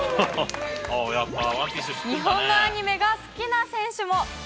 日本のアニメが好きな選手も。